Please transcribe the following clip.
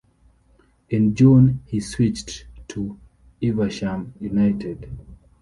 In June, he switched to Evesham United.